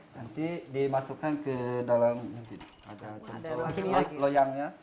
terus nanti dimasukkan ke dalam loyangnya